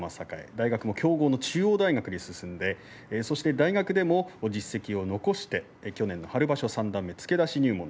大学も強豪の中央大学に進んでそして大学でも実績を残して去年の春場所三段目付け出し入門。